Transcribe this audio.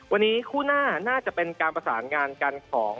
วันนี้คู่หน้าน่าจะเป็นการประสานงานกันของ